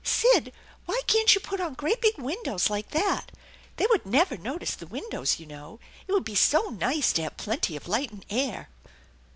" Sid, why can't you put on great big windows like that ? They would never notice the windows, you know. It would be so nice to have plenty of light and air."